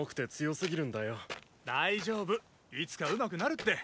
大丈夫いつか上手くなるって。